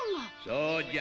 そうじゃ。